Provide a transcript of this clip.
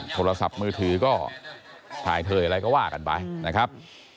โทรศัพท์มือถือก็ถ่ายเทยอะไรก็ว่ากันไปนะครับ